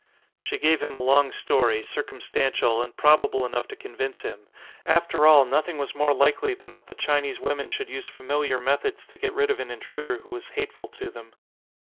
She gave him a long story, circumstantial and probable enough to convince him: after all nothing was more likely than that the Chinese women should use familiar methods to get rid of an intruder who was hateful to them.